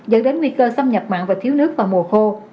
dẫn đến nguy cơ xâm nhập mặn và thiếu nước vào mùa khô